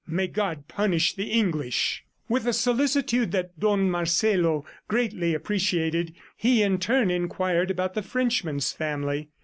"May God punish the English!" With a solicitude that Don Marcelo greatly appreciated, he in turn inquired about the Frenchman's family.